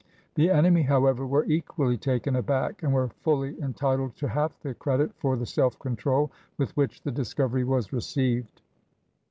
The enemy, however, were equally taken aback, and were fully entitled to half the credit for the self control with which the discovery was received.